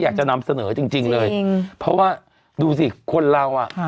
อยากจะนำเสนอจริงเลยเพราะว่าดูสิคนเราอ่ะ